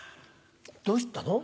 どうしたの？